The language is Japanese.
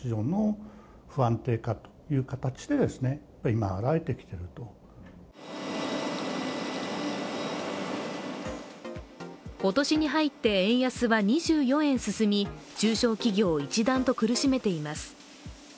今年に入って円安は２４円進み、中小企業を一段と苦しめています。